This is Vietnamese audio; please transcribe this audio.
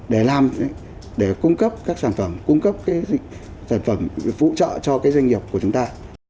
để làm để cung cấp các sản phẩm cung cấp cái sản phẩm phụ trợ cho doanh nghiệp của chúng ta